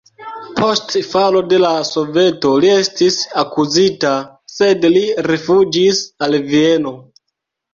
Post falo de la Soveto li estis akuzita, sed li rifuĝis al Vieno.